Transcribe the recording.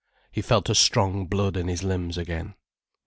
He felt a strong blood in his limbs again.